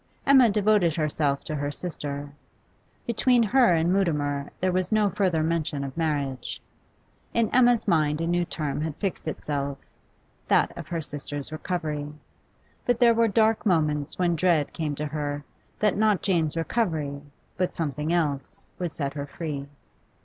Emma devoted herself to her sister. Between her and Mutimer there was no further mention of marriage. In Emma's mind a new term had fixed itself that of her sister's recovery; but there were dark moments when dread came to her that not Jane's recovery, but something else, would set her free.